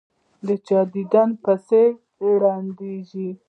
چا یې دیدن پسې ړندېږي.